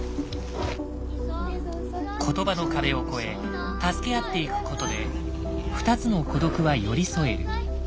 言葉の壁を超え助け合っていくことで２つの孤独は寄り添える。